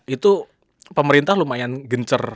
itu pemerintah lumayan gencer